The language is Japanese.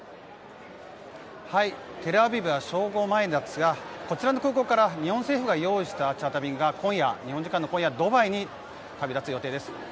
テルアビブは正午前なんですがこちらの空港から日本政府が用意したチャーター便が日本時間の今夜ドバイに旅立つ予定です。